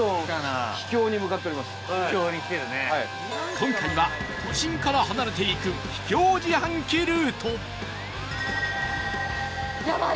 今回は都心から離れていく秘境自販機ルート高橋：やばい！